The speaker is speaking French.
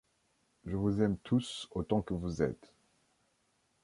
Je vous aime tous autant que vous êtes.